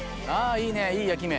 いいねいい焼き目。